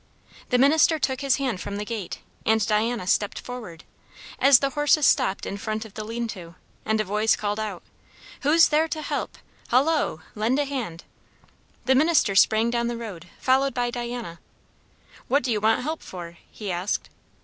The minister took his hand from the gate, and Diana stepped forward, as the horses stopped in front of the lean to; and a voice called out: "Who's there to help? Hollo! Lend a hand." The minister sprang down the road, followed by Diana. "What do you want help for?" he asked.